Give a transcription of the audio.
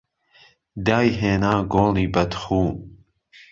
دایهینا گۆڵی بهد خوو